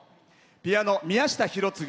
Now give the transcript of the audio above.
ピアノ、宮下博次。